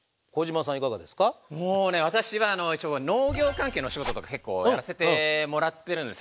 もうね私は一応農業関係の仕事とか結構やらせてもらってるんですよ。